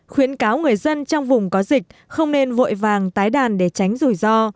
khuyến cáo người dân trong vùng có dịch không nên vội vàng tái đàn để tránh rủi ro